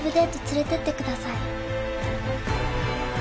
連れてってください。